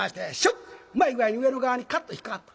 うまい具合に上の側にカッと引っ掛かった。